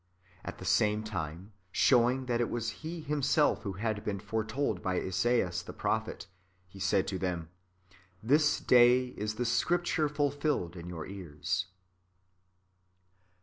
^ At the same time, showing that it was H© Himself who had been foretold by Esaias the prophet. He said to them :^' This day is this Scripture fulfilled in your ears."